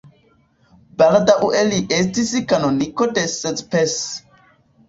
Baldaŭe li estis kanoniko de Szepes.